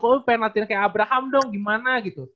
kok lo pengen latihan kayak abraham dong gimana gitu